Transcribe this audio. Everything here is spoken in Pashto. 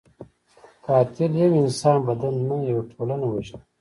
قاتل یو انساني بدن نه، یو ټولنه وژني